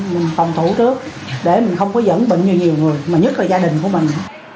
mình phòng thủ trước để mình không có dẫn bệnh cho nhiều người mà nhất là gia đình của mình